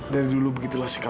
dari dulu begitulah sekalian